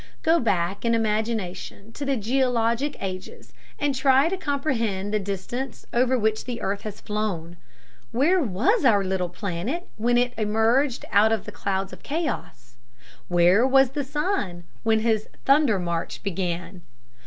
Go back in imagination to the geologic ages, and try to comprehend the distance over which the earth has flown. Where was our little planet when it emerged out of the clouds of chaos? Where was the sun when his "thunder march" began?